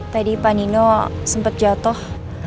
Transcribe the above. tadi pak nino sempet jatoh